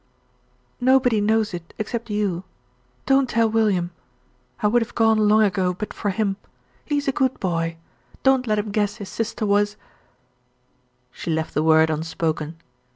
"Nobody knows it, except you. Don't tell William. I would have gone long ago, but for him. He is a good boy; don't let him guess his sister was " She left the word unspoken.